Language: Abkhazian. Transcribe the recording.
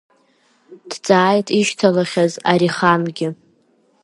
Дҵааит ишьҭалахьаз Арихангьы.